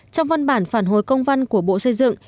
trong văn bản phản hồi công văn của bộ xây dựng